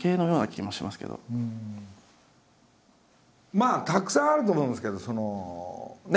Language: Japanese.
まあたくさんあると思うんですけどそのね